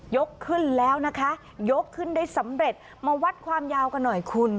ยกขึ้นแล้วนะคะยกขึ้นได้สำเร็จมาวัดความยาวกันหน่อยคุณ